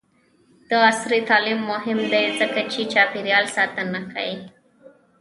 عصري تعلیم مهم دی ځکه چې چاپیریال ساتنه ښيي.